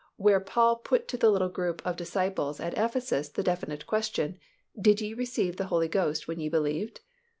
where Paul put to the little group of disciples at Ephesus the definite question, "Did ye receive the Holy Ghost when ye believed?"